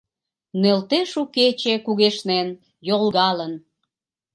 Нӧлтеш у кече, кугешнен, йолгалын.